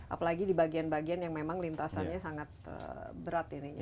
apalagi di bagian bagian yang memang lintasannya sangat berat ini